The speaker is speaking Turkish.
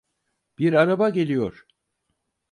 Bir araba geliyor.